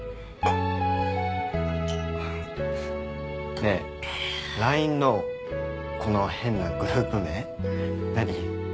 ねえＬＩＮＥのこの変なグループ名何？